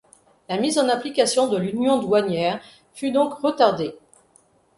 La mise en application de l'union douanière fut donc retardée.